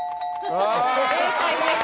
正解です。